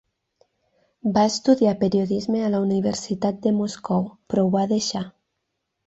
Va estudiar periodisme a la Universitat de Moscou, però ho va deixar.